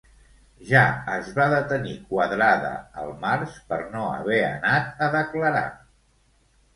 Ja es va detenir Quadrada al març per no haver anat a declarar.